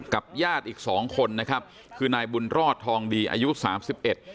ญาติอีกสองคนนะครับคือนายบุญรอดทองดีอายุสามสิบเอ็ด